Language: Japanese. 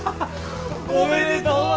おめでとう！